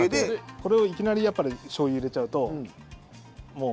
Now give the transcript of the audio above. これをいきなりやっぱりしょうゆ入れちゃうともう。